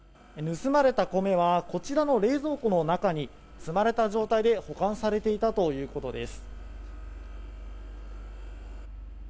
盗まれた米はこちらの冷蔵庫の中に積まれた状態で保管されていたということです。